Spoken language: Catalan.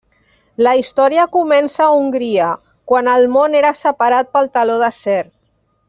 La història comença a Hongria, quan el món era separat pel teló d'acer.